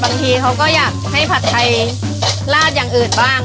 บางทีเขาก็อยากให้ผัดไทยลาดอย่างอื่นบ้าง